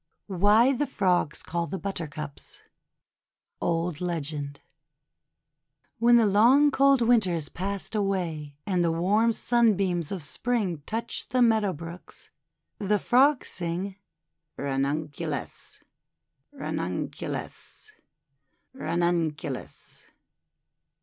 WHY THE FROGS CALL THE BUTTERCUPS Old Legend WHEN the long cold Winter is passed away, and the warm Sunbeams of Spring touch the meadow brooks, the Frogs sing: — "Ranunculus! Ranunculus ! Ranunculus!'